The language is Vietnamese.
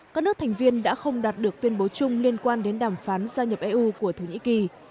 các nước thành viên đã không đạt được tuyên bố chung liên quan đến đàm phán gia nhập eu của thổ nhĩ kỳ